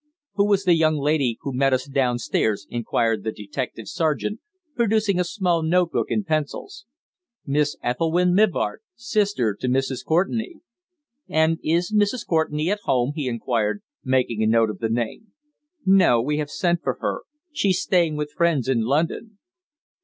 "Who was the young lady who met us downstairs?" inquired the detective sergeant, producing a small note book and pencil. "Miss Ethelwynn Mivart, sister to Mrs. Courtenay." "And is Mrs. Courtenay at home?" he inquired, making a note of the name. "No. We have sent for her. She's staying with friends in London."